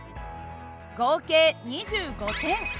合計２５点。